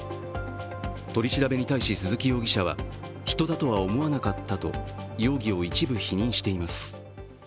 取り調べに対し鈴木容疑者は人だとは思わなかったと容疑を一部否認しています。